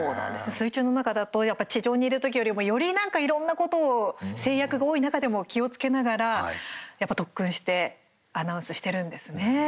水中の中だとやっぱり地上にいる時よりもよりなんか、いろんなことを制約が多い中でも気をつけながらやっぱり特訓してアナウンスしているんですね。